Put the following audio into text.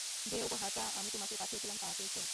যে উপহারটা আমি তোমাকে পাঠিয়েছিলাম তা পেয়েছো?